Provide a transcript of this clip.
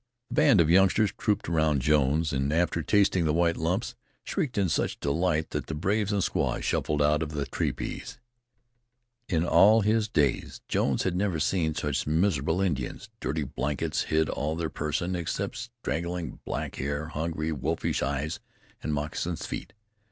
The band of youngsters trooped round Jones, and after tasting the white lumps, shrieked in such delight that the braves and squaws shuffled out of the tepees. In all his days Jones had never seen such miserable Indians. Dirty blankets hid all their person, except straggling black hair, hungry, wolfish eyes and moccasined feet.